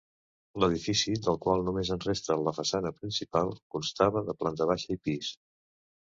L'edifici, del qual només en resta la façana principal, constava de planta baixa i pis.